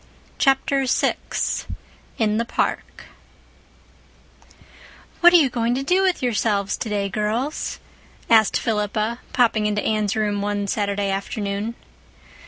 Chapter VI In the Park "What are you going to do with yourselves today, girls?" asked Philippa, popping into Anne's room one Saturday afternoon.